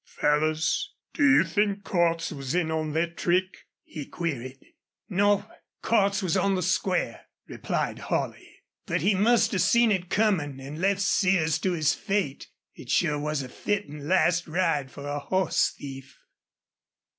"Fellers, do you think Cordts was in on thet trick?" he queried. "Nope. Cordts was on the square," replied Holley. "But he must have seen it comin' an' left Sears to his fate. It sure was a fittin' last ride for a hoss thief."